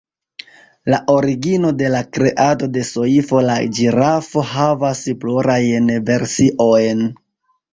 La origino de la kreado de "Sofio la ĝirafo" havas plurajn versiojn.